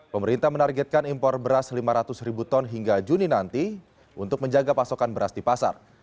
pemerintah menargetkan impor beras lima ratus ribu ton hingga juni nanti untuk menjaga pasokan beras di pasar